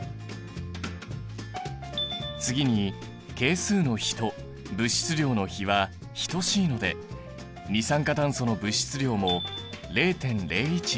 次に係数の比と物質量の比は等しいので二酸化炭素の物質量も０．０１００ｍｏｌだね。